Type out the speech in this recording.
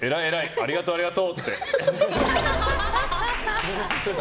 ありがとうありがとう！って。